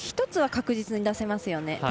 １つは確実に出せそうですよね。